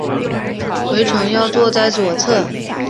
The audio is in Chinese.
回程要坐在左侧